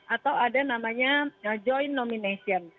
atau ada namanya joint nomination